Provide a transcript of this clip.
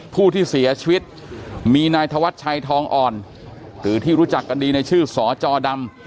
ผู้ที่เสียชีวิตมีนายธวัชชัยทองอ่อนหรือที่รู้จักกันดีในชื่อสจดำ